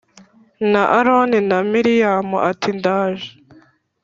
na Aroni na Miriyamu ati ndaje